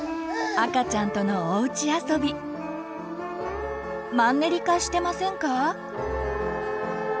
赤ちゃんとのおうちあそびマンネリ化してませんか？